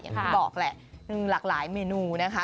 อย่างที่บอกแหละหลากหลายเมนูนะคะ